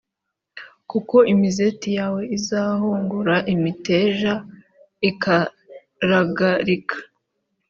kuko imizeti yawe izahungura imiteja ikaragarika.